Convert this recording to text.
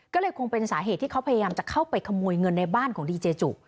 ก็เลยคงเป็นสาเหตุที่เขาพยายามจะเข้าไปขโมยเงินในบ้านของดีเจจุ